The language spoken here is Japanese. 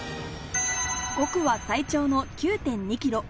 ５区は最長の９．２ｋｍ。